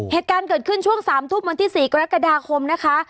เหตุการณ์เกิดขึ้นช่วง๓ทุ่มวันที่๔กรกฎาคมนะคะ